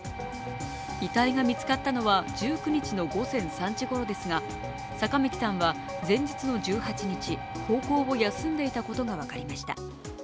遺体が見つかったのは１９日の午前３時ごろですが坂巻さんは前日の１８日、高校を休んでいたことが分かりました。